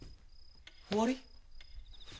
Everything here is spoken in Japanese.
終わり？